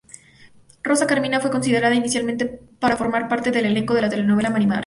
Rosa Carmina fue considerada inicialmente para formar parte del elenco de la telenovela "Marimar".